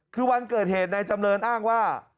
คือวันเกิดเหตุนายจำเรินอ้างว่า